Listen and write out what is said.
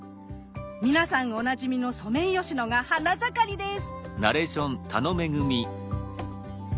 皆さんおなじみのソメイヨシノが花盛りです。